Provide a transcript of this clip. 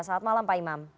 selamat malam pak imam